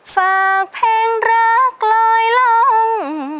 ฝากเพลงรักลอยลง